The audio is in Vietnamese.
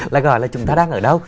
là gọi là chúng ta đang ở đâu